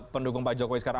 pendukung pak jokowi sekarang